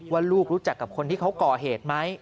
ว่าลูกรู้จักกับคนที่เขาก่อเหตุไหม